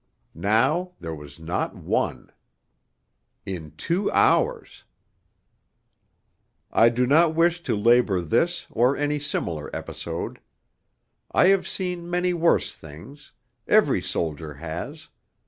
Now there was not one. In two hours... I do not wish to labour this or any similar episode. I have seen many worse things; every soldier has.